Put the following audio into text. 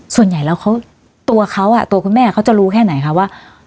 ส่วนใหญ่แล้วตัวเขาตัวคุณแม่เขาจะรู้แค่ไหนคะว่า